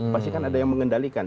pasti kan ada yang mengendalikan